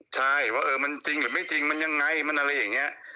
ใช่ว่าเออมันจริงหรือไม่จริงมันยังไงมันอะไรอย่างนี้